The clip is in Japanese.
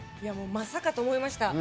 まさかと思いました。